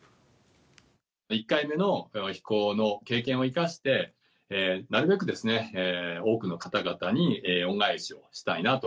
１回目の飛行の経験を生かして、なるべく多くの方々に恩返しをしたいなと。